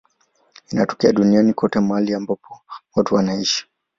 Inatokea duniani kote mahali ambapo watu wanaishi.